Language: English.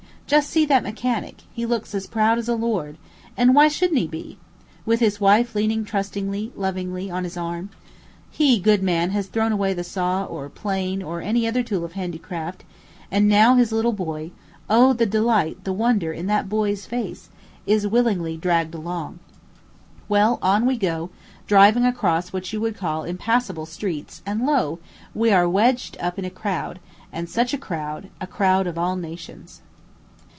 Just see that mechanic; he looks as proud as a lord, and why shouldn't he be? with his wife leaning trustingly, lovingly on his arm. He, good man, has thrown away the saw, or plane, or any other tool of handicraft, and now his little boy O, the delight, the wonder in that boy's face! is willingly dragged along. Well, on we go, driving across what you would call impassable streets, and lo! we are wedged up in a crowd, and such a crowd, a crowd of all nations.